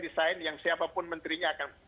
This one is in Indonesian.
desain yang siapapun menterinya akan